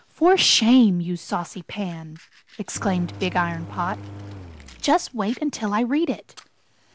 "For shame, you saucy Pan!" exclaimed Big Iron Pot. "Just wait until I read it!"